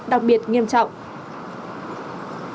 đặc biệt nghiêm trọng